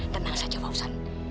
tenang saja fawzan